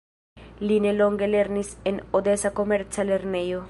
Li nelonge lernis en odesa komerca lernejo.